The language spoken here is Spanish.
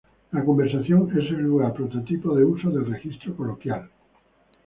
La conversación es el lugar prototípico de uso del registro coloquial.